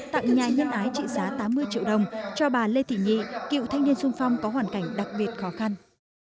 tặng nhà nhân ái trị giá tám mươi triệu đồng cho bà lê thị nhị cựu thanh niên sung phong có hoàn cảnh đặc biệt khó khăn